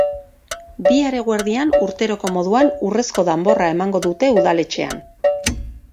Bihar eguerdian urteroko moduan urrezko danborra emango dute udaletxean.